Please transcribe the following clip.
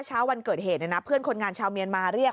เช้าวันเกิดเหตุเพื่อนคนงานชาวเมียนมาเรียก